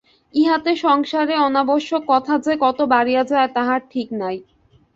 ইহাতে সংসারে অনাবশ্যক কথা যে কত বাড়িয়া যায়, তাহার ঠিক নাই।